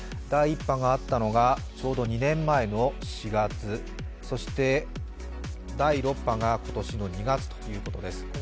第１波があったのがちょうど２年前の４月、そして、第６波が今年の２月ということです。